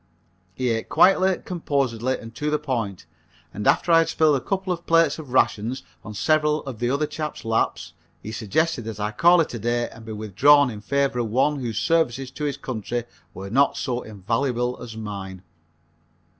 He ate quietly, composedly and to the point, and after I had spilled a couple of plates of rations on several of the other chiefs' laps he suggested that I call it a day and be withdrawn in favor of one whose services to his country were not so invaluable as mine.